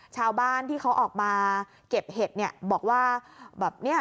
ชาวบ้านที่เขาออกมาเก็บเห็ดเนี่ยบอกว่าแบบเนี่ย